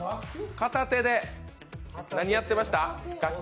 片手で何やってました？